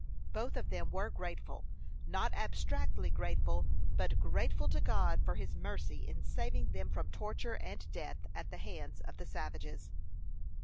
Both of them were grateful not abstractly grateful, but grateful to God for his mercy in saving them from torture and death at the hands of the savages.